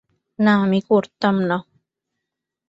না, আমি করতাম না।